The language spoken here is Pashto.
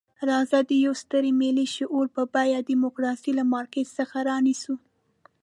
راځئ د یوه ستر ملي شعور په بیه ډیموکراسي له مارکېټ څخه رانیسو.